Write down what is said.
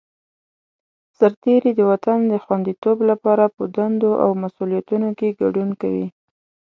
سرتېری د وطن د خوندیتوب لپاره په دندو او مسوولیتونو کې ګډون کوي.